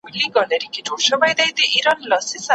بیا نو بت د شالمار سي لا به ښه سي